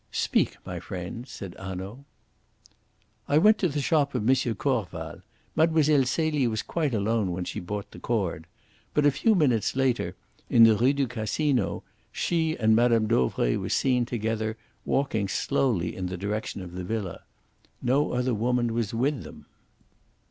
"Speak, my friend," said Hanaud. "I went to the shop of M. Corval. Mlle. Celie was quite alone when she bought the cord. But a few minutes later, in the Rue du Casino, she and Mme. Dauvray were seen together, walking slowly in the direction of the villa. No other woman was with them."